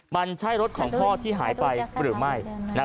มันใช่รถของพ่อที่หายไปหรือไม่